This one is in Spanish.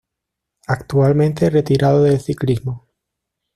Actualmente retirado del ciclismo.